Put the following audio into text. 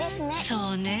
そうねぇ。